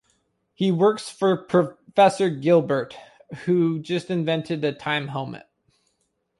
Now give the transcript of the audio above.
He works for Professor Gilbert, who has just invented a time helmet.